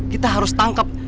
kita harus tangkap